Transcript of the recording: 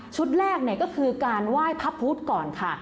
ชุดแรกเนี่ยก็คือการไหว้พระพุทธก่อนค่ะ